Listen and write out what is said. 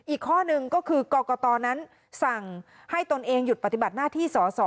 อีกข้อหนึ่งก็คือกรกตนั้นสั่งให้ตนเองหยุดปฏิบัติหน้าที่สอสอ